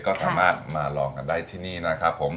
ก็สามารถมาลองกันได้ที่นี่นะครับผม